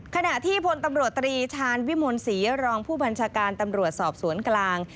ขณะที่พลตำรวจตรีชาญวิมลศรีรองผู้บัญชาการตำรวจสอบสวนกลาง